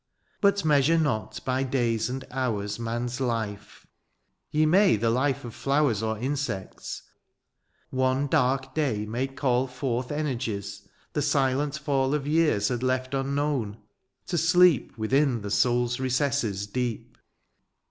But measure not by days and hours Man^s life ; ye may the life of flowers Or insects — one dark day may call Forth energies, the silent fall Of years had left unknown, to sleep Within the soul^s recesses deep.